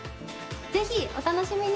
ぜひお楽しみに。